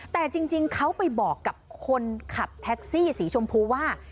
แต่จริงเขาไปบอกกับคนขับแท็กซี่สีชมพูว่า